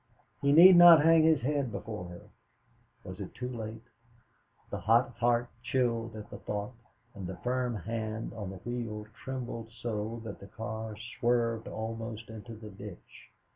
He need not hang his head before her. Was it too late? The hot heart chilled at the thought, and the firm hand on the wheel trembled so that the car swerved almost into the ditch.